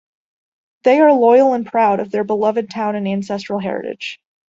They are loyal and proud of their beloved town and ancestral heritage.